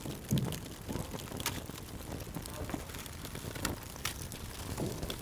وہ اپنی ہر غلطی کے اسباب خارج میں تلاش کرتے ہیں۔